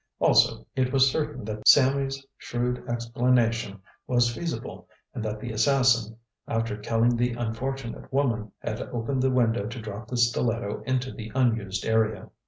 Also, it was certain that Sammy's shrewd explanation was feasible, and that the assassin, after killing the unfortunate woman, had opened the window to drop the stiletto into the unused area.